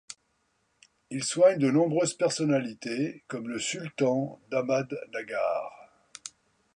Il soigne de nombreuses personnalités comme le sultan d'Ahmadnagar.